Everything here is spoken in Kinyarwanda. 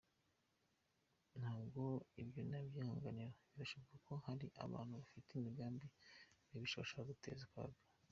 "Ntabwo ibyo nabyihanganira, birashoboka ko hari abantu bafite imigambi mibisha bashaka guteza akaga".